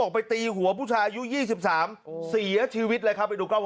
ไปดูข้อมูล